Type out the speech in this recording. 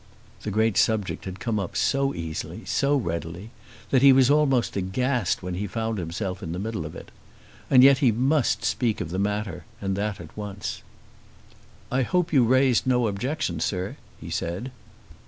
The great subject had come up so easily, so readily, that he was almost aghast when he found himself in the middle of it. And yet he must speak of the matter, and that at once. "I hope you raised no objection, sir," he said.